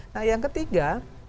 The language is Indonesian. nah yang ketiga